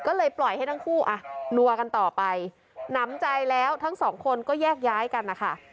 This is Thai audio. ก็เลยปล่อยให้ทั้งคู่อ่ะนัวกันต่อไปหนำใจแล้วทั้งสองคนก็แยกย้ายกันนะคะ